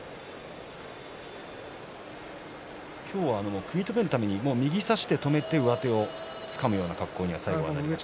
今日は組み止めるために右を差して止めて右手をつかむような格好になりました。